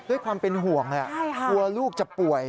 ด้วยความเป็นห่วงกลัวลูกจะป่วย